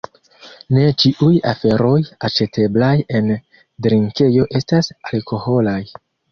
Ne ĉiuj aferoj aĉeteblaj en drinkejo estas alkoholaj: